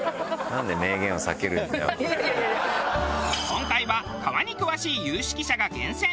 今回は川に詳しい有識者が厳選。